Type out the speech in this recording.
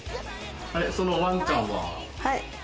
そのワンちゃんは。